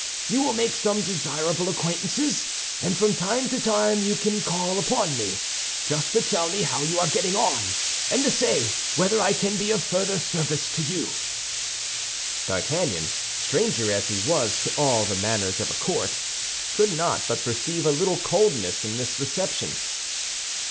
You will make some desirable acquaintances; and from time to time you can call upon me, just to tell me how you are getting on, and to say whether I can be of further service to you." D'Artagnan, stranger as he was to all the manners of a court, could not but perceive a little coldness in this reception.